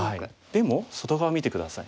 でも外側見て下さい。